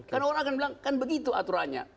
karena orang akan bilang kan begitu aturannya